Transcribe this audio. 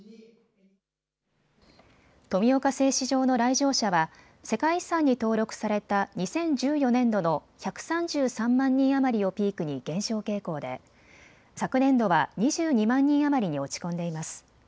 富岡製糸場の来場者は世界遺産に登録された２０１４年度の１３３万人余りをピークに減少傾向で昨年度は２２万人余りに落ち込んでいます。